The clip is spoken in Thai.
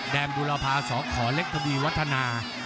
แดงกุลภา๒ขอเล็กพรีวัฒนา